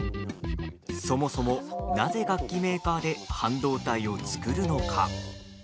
そもそも、なぜ楽器メーカーで半導体を作るのか？